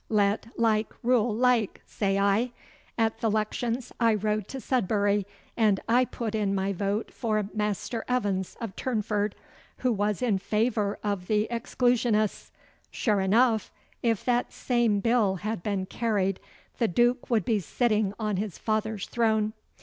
Let like rule like, say I. At the 'lections I rode to Sudbury, and I put in my vote for Maister Evans, of Turnford, who was in favour o' the Exclusionists. Sure enough, if that same Bill had been carried, the Duke would be sitting on his father's throne.